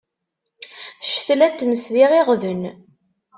Ccetla n tmes d iɣiɣden.